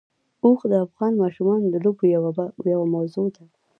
اوښ د افغان ماشومانو د لوبو یوه موضوع ده.